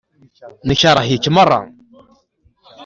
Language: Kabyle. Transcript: Nekṛeh-ik i meṛṛa.